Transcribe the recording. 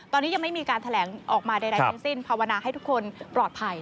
ตอนนี้ยังไม่มีการแถลงออกมาใดทั้งสิ้นภาวนาให้ทุกคนปลอดภัย